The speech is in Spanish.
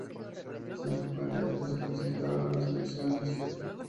Cinco candidatos se presentaron a las elecciones.